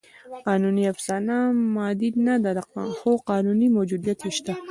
قانوني افسانه مادي نهده؛ خو قانوني موجودیت یې شته.